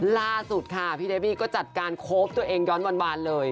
ล่าสุดค่ะพี่เดบี้ก็จัดการโคปตัวเองย้อนวานเลย